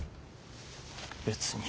別に。